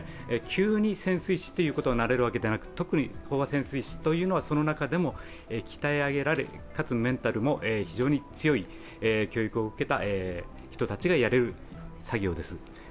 急に潜水士になれるわけではなく特に飽和潜水士はその中でも鍛え上げられ、かつメンタルも非常に強い教育を受けた人たちがやれる作業です。